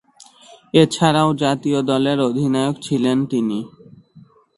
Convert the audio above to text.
এছাড়াও জাতীয় দলের অধিনায়ক ছিলেন তিনি।